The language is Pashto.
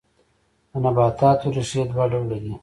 د نباتاتو ریښې دوه ډوله دي